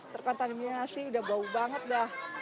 terkontaminasi udah bau banget dah